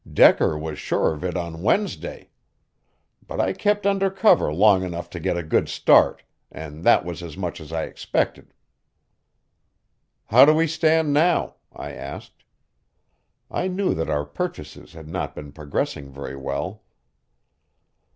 Decker was sure of it on Wednesday. But I kept under cover long enough to get a good start, and that was as much as I expected." "How do we stand now?" I asked. I knew that our purchases had not been progressing very well.